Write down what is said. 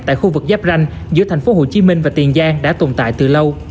tại khu vực giáp ranh giữa thành phố hồ chí minh và tiền giang đã tồn tại từ lâu